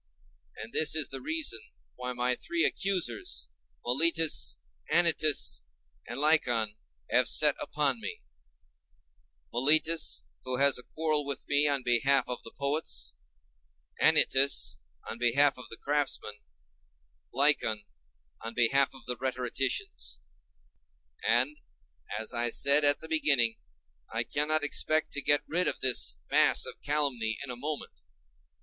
And this is the reason why my three accusers, Meletus and Anytus and Lycon, have set upon me; Meletus, who has a quarrel with me on behalf of the poets; Anytus, on behalf of the craftsmen; Lycon, on behalf of the rhetoricians: and as I said at the beginning, I cannot expect to get rid of this mass of calumny all in a moment.